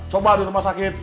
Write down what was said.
coba di rumah sakit